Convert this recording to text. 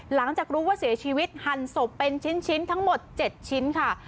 หลังจากรู้ว่าเสียชีวิตหั่นศพเป็นชิ้นทั้งหมด๗ชิ้นค่ะ